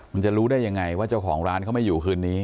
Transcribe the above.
มันจะรู้ได้ยังไงว่าเจ้าของร้านเขาไม่อยู่คืนนี้